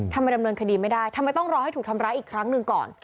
ดำเนินคดีไม่ได้ทำไมต้องรอให้ถูกทำร้ายอีกครั้งหนึ่งก่อน